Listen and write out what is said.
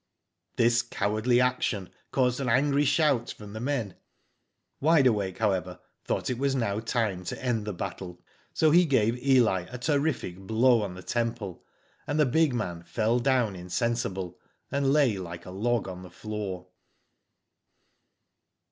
This cowardly action caused an angry shout from the men. Wide Awake, however, thought it was now time to end the battle, so he gave Eli a terrific blov/ on the temple, and the big man fell down insensible, and lay like a log on the floor.